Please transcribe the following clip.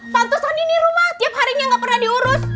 pantesan ini rumah tiap harinya gak pernah diurus